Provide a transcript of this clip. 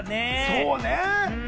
そうね。